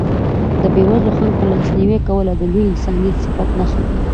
د بېوزلو خلکو لاسنیوی کول د لوی انساني صفت نښه ده.